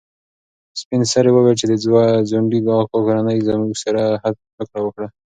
سپین سرې وویل چې د ځونډي اکا کورنۍ زموږ سره هوکړه وکړه.